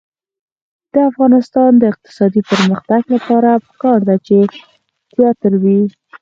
د افغانستان د اقتصادي پرمختګ لپاره پکار ده چې تیاتر وي.